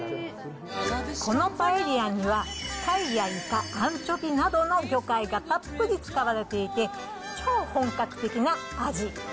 このパエリアには、タイやイカ、アンチョビなどの魚介がたっぷり使われていて、超本格的な味。